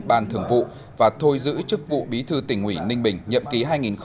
ban thường vụ và thôi giữ chức vụ bí thư tỉnh nguyễn ninh bình nhậm ký hai nghìn một mươi năm hai nghìn hai mươi